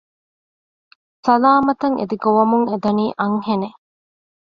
ސަލާމަތަށް އެދި ގޮވަމުން އެދަނީ އަންހެނެއް